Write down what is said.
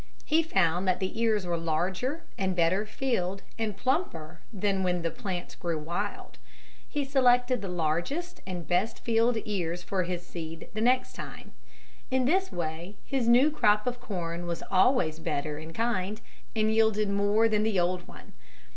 He found that the ears were larger and better filled and plumper than when the plants grew wild. He selected the largest and best filled ears for his seed the next time. In this way his new crop of corn was always better in kind and yielded more than the old one.